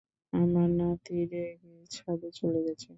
আমার নাতি রেগে ছাদে চলে গেছে।